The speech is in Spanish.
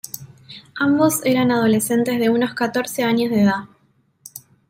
Ambos eran adolescentes de unos catorce años de edad.